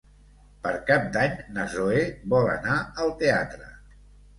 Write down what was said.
Per Cap d'Any na Zoè vol anar al teatre.